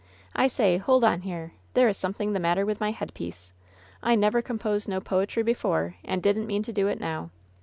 I say! hold on herel there is something the mater with my headpiece ! I never composed no poetry before and didn't mean to do it now!